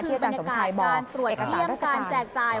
คือบรรยากาศการตรวจเยี่ยมการแจกจ่าย